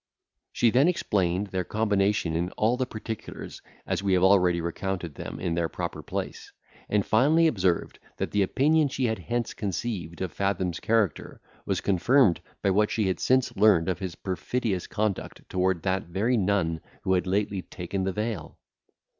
She then explained their combination in all the particulars, as we have already recounted them in their proper place, and finally observed, that the opinion she had hence conceived of Fathom's character, was confirmed by what she had since learned of his perfidious conduct towards that very nun who had lately taken the veil.